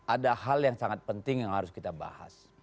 ada hal yang sangat penting yang harus kita bahas